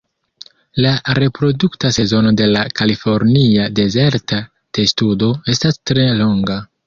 La reprodukta sezono de la Kalifornia dezerta testudo estas tre longa.